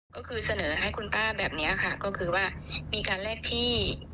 ก็คือเสนอให้คุณป้าแบบนี้ค่ะก็คือว่ามีการแลกที่